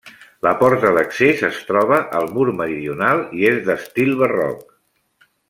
La porta d'accés es troba al mur meridional i és d'estil barroc.